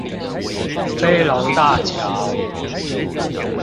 飛龍大橋